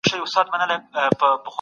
دا زده کړه ډېره مهمه ده.